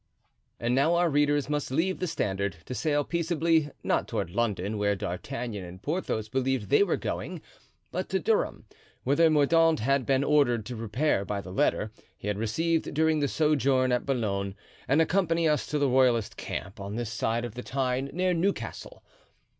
And now our readers must leave the Standard to sail peaceably, not toward London, where D'Artagnan and Porthos believed they were going, but to Durham, whither Mordaunt had been ordered to repair by the letter he had received during his sojourn at Boulogne, and accompany us to the royalist camp, on this side of the Tyne, near Newcastle.